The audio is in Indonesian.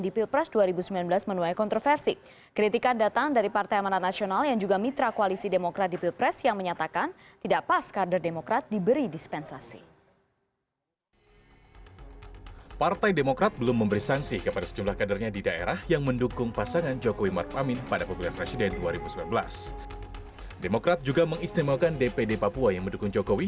demokrat juga mengistimewakan dpd papua yang mendukung jokowi